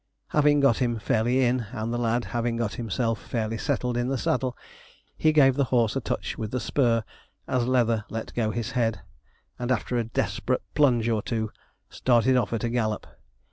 Having got him fairly in, and the lad having got himself fairly settled in the saddle he gave the horse a touch with the spur as Leather let go his head, and after a desperate plunge or two started off at a gallop.